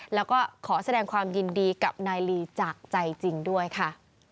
แล้วก็ขอแสดงความยินดีกับนายลีจากใจจริงด้วยค่ะ